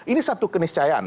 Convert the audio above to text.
ini satu keniscayaan